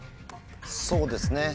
そうですね。